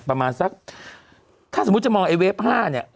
ประมาณสักถ้าสมมุติจะมองไอเวฟห้าเนี่ย